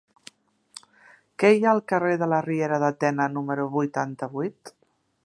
Què hi ha al carrer de la Riera de Tena número vuitanta-vuit?